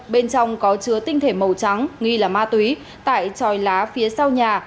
bên trong có chứa tinh thể màu trắng nghi là ma túy tại tròi lá phía sau nhà